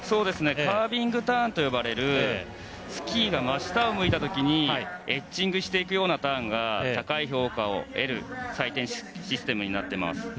カービングターンと呼ばれるスキーが真下を向いた時にエッジングしていくようなターンが高い評価を得る採点システムになっています。